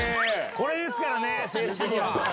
これですからね、正式には。